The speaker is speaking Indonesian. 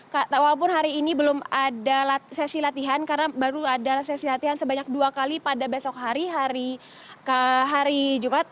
walaupun hari ini belum ada sesi latihan karena baru ada sesi latihan sebanyak dua kali pada besok hari jumat